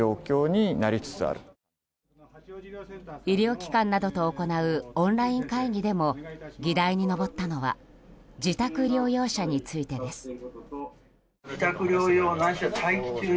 医療機関などを行うオンライン会議でも議題に上ったのは自宅療養者についてです。